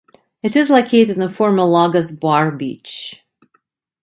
It is located on former Lagos' Bar Beach.